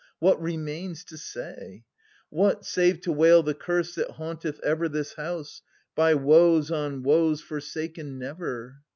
What remains to say ? What, save to wail the Curse that haimteth ever This House, by woes on woes forsaken never